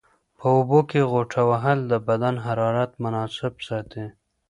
په اوبو کې غوټه وهل د بدن حرارت مناسب ساتي.